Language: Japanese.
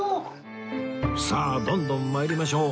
さあどんどん参りましょう